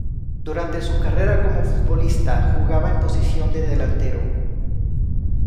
Durante su carrera como futbolista, jugaba en posición de delantero.